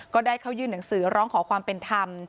ก็ได้เข้ายื่นหนังสือร้องขอความเป็นธรรม